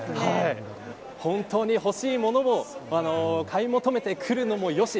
本当に欲しいものを買い求めてくるのもよし。